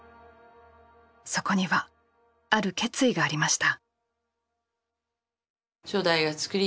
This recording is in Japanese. そこにはある決意がありました。